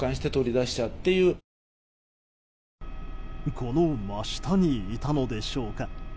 この真下にいたのでしょうか？